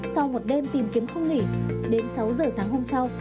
sau một đêm tìm kiếm không nghỉ đến sáu h sáng hôm sau